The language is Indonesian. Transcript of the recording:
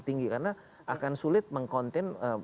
tinggi karena akan sulit mengcontain